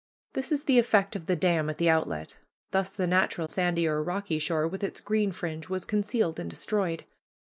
This is the effect of the dam at the outlet. Thus the natural sandy or rocky shore, with its green fringe, was concealed and destroyed.